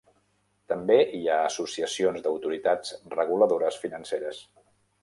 També hi ha associacions d'autoritats reguladores financeres.